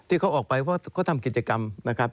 ที่เขาออกไปเพราะเขาทำกิจกรรมนะครับ